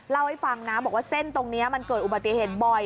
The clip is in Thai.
เล่าให้ฟังนะบอกว่าเส้นตรงนี้มันเกิดอุบัติเหตุบ่อย